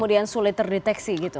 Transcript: kemudian sulit terdeteksi gitu